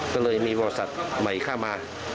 ก็เลยมีบริษัทใหม่เข้ามา